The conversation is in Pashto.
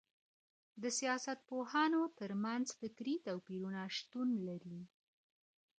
د سياستپوهانو ترمنځ فکري توپيرونه شتون لري.